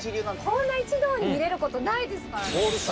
こんな一同に見れることないですからね。